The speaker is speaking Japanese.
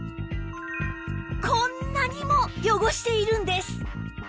こんなにも汚しているんです